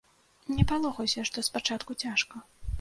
Не палохайся, што спачатку цяжка.